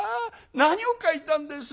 何を描いたんです？」。